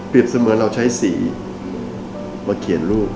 กลีบเสมอเราใช้สีมาเขียนรูป